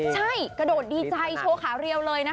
ใช่กระโดดดีใจโชว์ขาเรียวเลยนะคะ